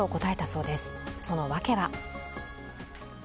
その訳は？